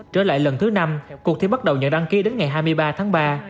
trở lại lần thứ năm cuộc thi bắt đầu nhận đăng ký đến ngày hai mươi ba tháng ba